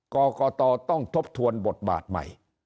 กรกตต้องทบทวนบทบาทใหม่